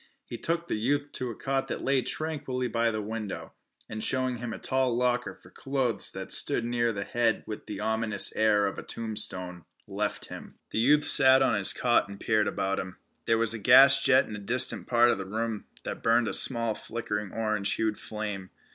He took the youth to a cot that lay tranquilly by the window, and showing him a tall locker for clothes that stood near the head with the ominous air of a tombstone, left him. The youth sat on his cot and peered about him. There was a gas jet in a distant part of the room, that burned a small flickering orange hued flame.